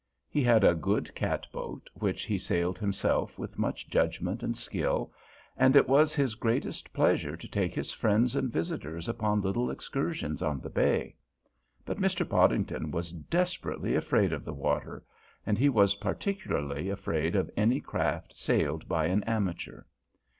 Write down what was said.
He had a good cat boat, which he sailed himself with much judgment and skill, and it was his greatest pleasure to take his friends and visitors upon little excursions on the bay. But Mr. Podington was desperately afraid of the water, and he was particularly afraid of any craft sailed by an amateur.